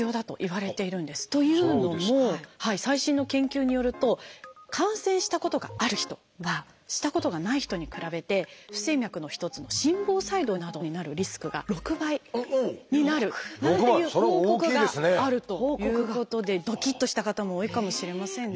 というのも最新の研究によると感染したことがある人はしたことがない人に比べて不整脈の一つの「心房細動」などになるリスクが６倍になるなんていう報告があるということでドキッとした方も多いかもしれませんね。